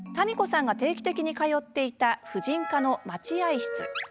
みこさんが定期的に通っていた婦人科の待合室。